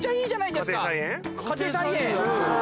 家庭菜園。